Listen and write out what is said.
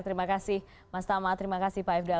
terima kasih mas tama terima kasih pak ifdal